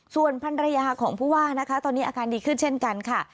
ส่วนภรรยาของผู้ว่านะคะตอนนี้อาการดีขึ้นเช่นกันค่ะ